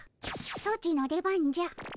ソチの出番じゃ。